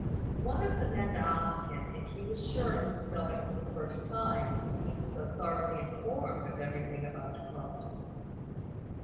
One of the men asked him if he was sure he was going for the first time, he seemed so thoroughly informed of everything about Crofton.